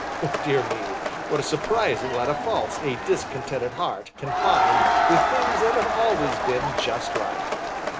Dear me, what a surprising lot of faults a discontented heart can find with things that have always been just right!